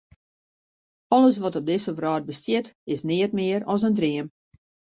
Alles wat op dizze wrâld bestiet, is neat mear as in dream.